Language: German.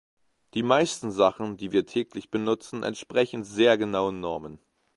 Die meisten Sachen, die wir täglich benutzen, entsprechen sehr genauen Normen.